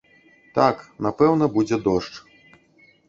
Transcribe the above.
Так, напэўна, будзе дождж.